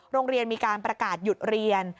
โรงเรียนมีการประกาศหยุดเรียน